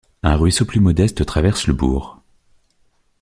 Un ruisseau plus modeste traverse le bourg.